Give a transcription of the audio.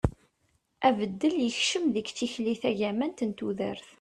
abeddel yekcem deg tikli tagamant n tudert